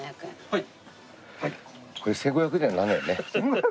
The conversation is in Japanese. はい。